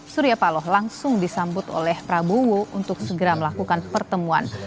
surya paloh langsung disambut oleh prabowo untuk segera melakukan pertemuan